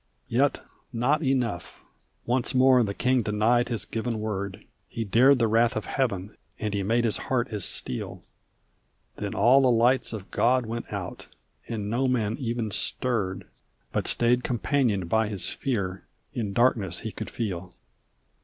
Yet not enough. Once more the king denied his given word; He dared the wrath of Heaven, and he made his heart as steel; Then all the lights of God went out, and no man even stirred But stayed companioned by his fear, in darkness he could feel.